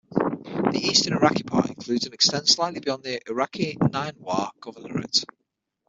The eastern, Iraqi part, includes and extends slightly beyond the Iraqi Ninewa Governorate.